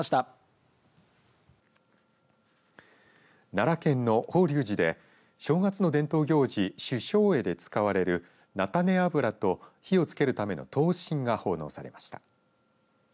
奈良県の法隆寺で正月の伝統行事修正会で使われる菜種油と火をつけるための灯芯が奉納されました。